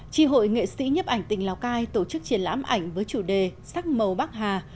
tri hội nghệ sĩ nhấp ảnh tỉnh lào cai tổ chức triển lãm ảnh với chủ đề sắc màu bắc hà